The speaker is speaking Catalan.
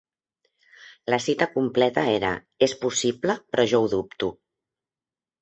La cita completa era És possible, però jo ho dubto.